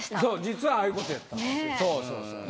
実はああいうことやったんですよ。